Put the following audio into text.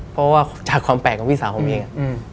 เพราะว่าจากความแปลกของพี่สาวผมเอง